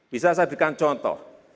bisa saya berikan contoh